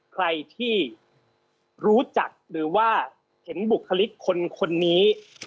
ใครที่รู้จักหรือว่าเห็นบุคลิกคนนี้